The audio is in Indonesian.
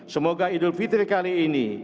semoga idul fitri kali ini